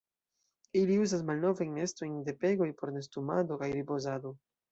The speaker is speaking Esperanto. Ili uzas malnovajn nestojn de pegoj por nestumado kaj ripozado.